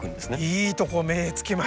いいとこ目つけましたね。